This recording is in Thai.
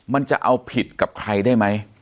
มันจะเอาผิดกับใครได้ไหม